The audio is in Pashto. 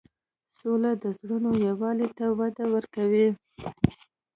سوله د زړونو یووالی ته وده ورکوي.